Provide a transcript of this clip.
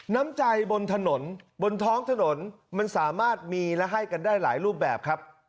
น้ำใจบนถนนบนท้องถนนมันสามารถมีและให้กันได้หลายรูปแบบครับ